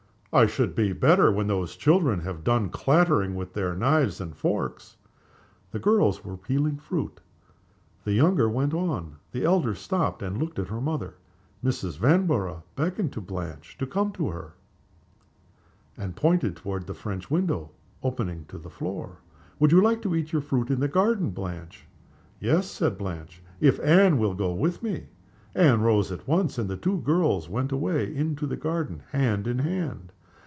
"I shall be better when those children have done clattering with their knives and forks." The girls were peeling fruit. The younger one went on. The elder stopped, and looked at her mother. Mrs. Vanborough beckoned to Blanche to come to her, and pointed toward the French window opening to the floor. "Would you like to eat your fruit in the garden, Blanche?" "Yes," said Blanche, "if Anne will go with me." Anne rose at once, and the two girls went away together into the garden, hand in hand.